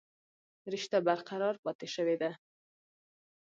رشته برقرار پاتې شوې ده